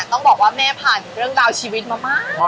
ต้องบอกว่าแม่ผ่านเรื่องราวชีวิตมามาก